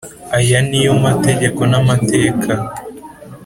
Aya ni yo mategeko n’amateka